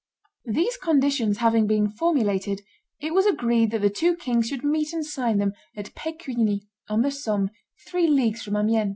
These conditions having been formulated, it was agreed that the two kings should meet and sign them at Pecquigny, on the Somme, three leagues from Amiens.